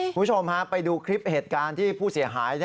คุณผู้ชมฮะไปดูคลิปเหตุการณ์ที่ผู้เสียหาย